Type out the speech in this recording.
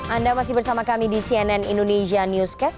anda masih bersama kami di cnn indonesia newscast